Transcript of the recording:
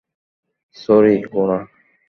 Sorry, Guna.